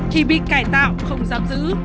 khi bị cải tạo không giam giữ